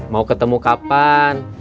mau ketemu kapan